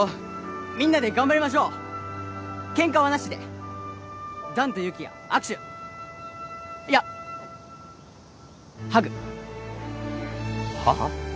みんなで頑張りましょうケンカはなしで弾と有起哉握手いやハグはっ？